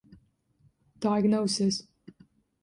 Diagnosis.